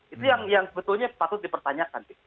itu yang sebetulnya patut dipertanyakan